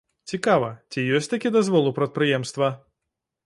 Цікава, ці ёсць такі дазвол у прадпрыемства?